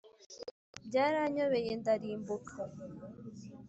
byaranyobeye, ndarimbuka